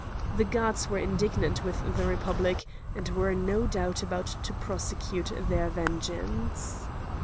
The gods were indignant with the Republic, and were, no doubt, about to prosecute their vengeance.